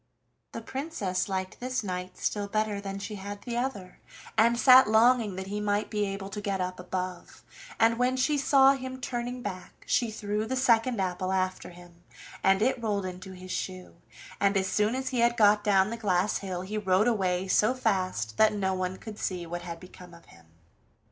The Princess liked this knight still better than she had liked the other, and sat longing that he might be able to get up above, and when she saw him turning back she threw the second apple after him, and it rolled into his shoe, and as soon as he had got down the glass hill he rode away so fast that no one could see what had become of him.